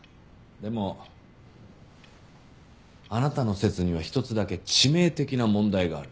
でもあなたの説には一つだけ致命的な問題がある。